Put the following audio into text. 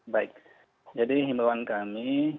baik jadi imbauan kami